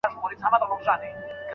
تر څو چي له ده څخه بيلي سي.